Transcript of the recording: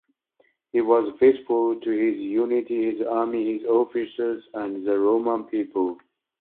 He was faithful to his unit, his army, the officers and the Roman people.